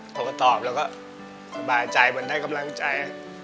เขาก็ตอบเราก็สบายใจเหมือนได้กำลังใจ